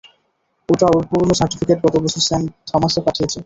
এটা ওর পুরোনো সার্টিফিকেট গতবছর সেইন্ট থমাসে পাঠিয়েছি।